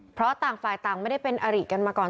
เพราะต่างฝ่ายต่างไม่ได้เป็นอริกันมาก่อน